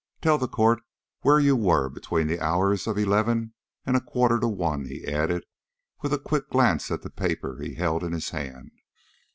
"Tell the court where you were between the hours of eleven and a quarter to one," he added, with a quick glance at the paper he held in his hand.